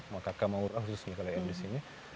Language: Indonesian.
masyarakat maura khususnya kalau yang di sini